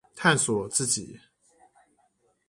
探索自己